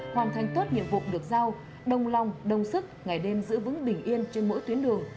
hoàn thành tốt nhiệm vụ được giao đồng lòng đồng sức ngày đêm giữ vững bình yên trên mỗi tuyến đường